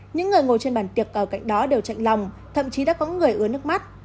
những người ngồi trên bàn tiệc cầu cạnh đó đều chạy lòng thậm chí đã có người ưa nước mắt